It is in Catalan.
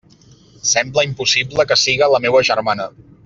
Sembla impossible que siga la meua germana!